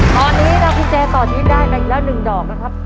ตอนนี้เรากุญแจต่อชีวิตได้ไปอีกแล้ว๑ดอกนะครับ